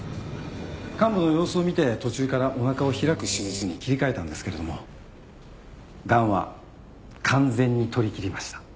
患部の様子を見て途中からおなかを開く手術に切り替えたんですけれどもがんは完全に取りきりました。